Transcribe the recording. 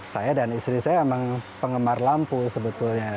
saya dan istri saya memang penggemar lampu sebetulnya